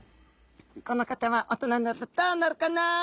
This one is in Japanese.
この方は大人になるとどうなるかな？